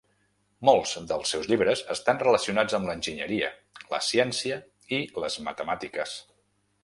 Molts dels seus llibres estan relacionats amb l'enginyeria, la ciència i les matemàtiques.